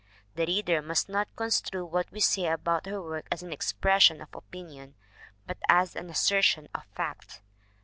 The reader must not construe what we say about her work as an expression of opinion, but as an assertion of fact.